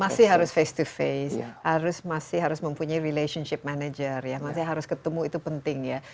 masih harus face to face harus masih harus mempunyai relationship manager yang masih harus ketemu itu penting ya